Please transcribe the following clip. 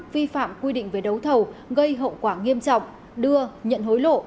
vi phạm quy định về đấu thầu gây hậu quả nghiêm trọng đưa nhận hối lộ